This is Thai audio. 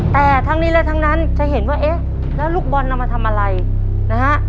แต่ทั้งนี้และทั้งนั้นจะเห็นว่าเอ๊ะแล้วลูกบอลเอามาทำอะไรนะฮะ